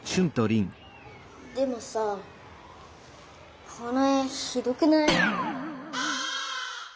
でもさこの絵ひどくない？